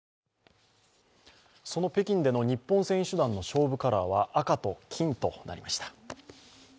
その北京での日本選手団の勝負カラーは赤と金となりました。